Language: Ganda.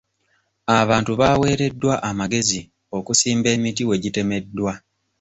Abantu baaweereddwa amagezi okusimba emiti we gitemeddwa.